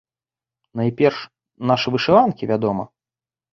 Найперш, нашы вышыванкі, вядома.